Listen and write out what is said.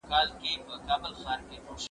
زه اوږده وخت سينه سپين کوم!.